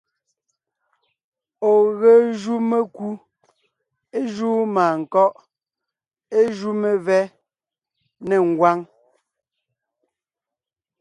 Ɔ̀ ge jú mekú, é júu mânkɔ́ʼ, é jú mevɛ́ nê ngwáŋ.